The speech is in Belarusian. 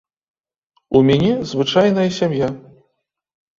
У мяне звычайная сям'я.